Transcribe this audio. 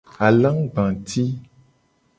Alagba ti.